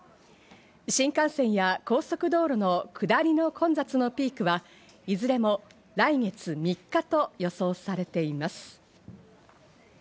新幹線や高速道路の下りの混雑のピークは、いずれも来月３日と予想されています。